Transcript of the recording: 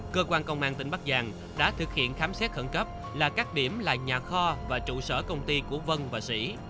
cơ quan công an tỉnh bắc giang đã thực hiện khám xét khẩn cấp là các điểm là nhà kho và trụ sở công ty của vân và sĩ